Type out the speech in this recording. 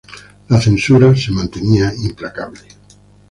La censura se mantenía implacable.